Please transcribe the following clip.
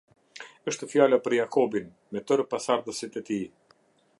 Éshtë fjala për Jakobin me tërë pasardhësit e tij.